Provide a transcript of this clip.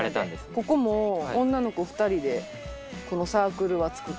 ここも女の子２人でこのサークルは作った。